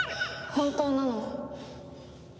本当なの？